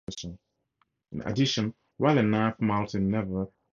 In addition, while a nymph moults it never enters a pupal stage.